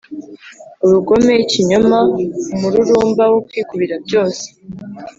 Ubugome, Ikinyoma, Umururumba wo Kwikubira byose